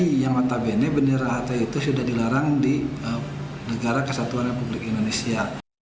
bendera hti yang matabene bendera hti itu sudah dilarang di negara kesatuan republik indonesia